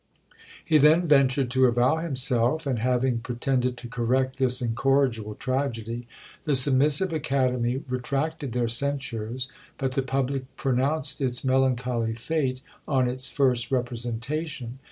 He then ventured to avow himself; and having pretended to correct this incorrigible tragedy, the submissive Academy retracted their censures, but the public pronounced its melancholy fate on its first representation.